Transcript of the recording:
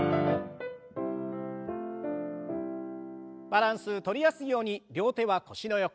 バランスとりやすいように両手は腰の横。